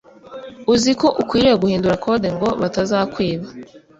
uziko ukwiriye guhindura code ngo batazakwiba